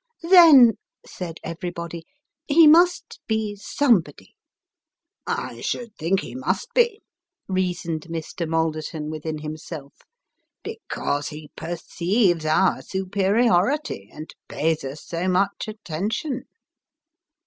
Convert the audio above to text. " Then," said everybody, " he must be some body" " I should think he must be," reasoned Mr. Malderton, within himself, " because he perceives our superiority, and pays us so much attention."